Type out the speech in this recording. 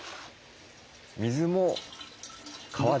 水も川で？